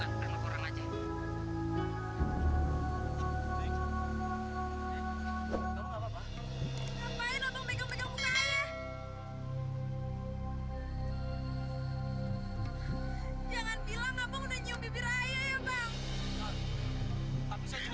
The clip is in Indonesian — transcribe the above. ada yang lebih